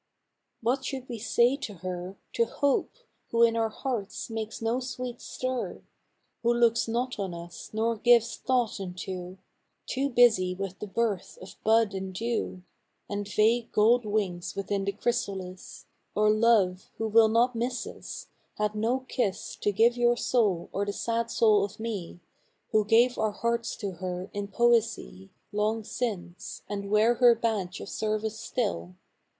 What should we say to her, To Hope, who in our hearts makes no sweet stir? Who looks not on us nor gives thought unto: Too busy with the birth of bud and dew, And vague gold wings within the chrysalis; Or Love, who will not miss us; had no kiss To give your soul or the sad soul of me, Who gave our hearts to her in poesy, Long since, and wear her badge of service still.